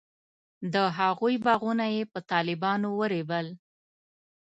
د هغوی باغونه یې په طالبانو ورېبل.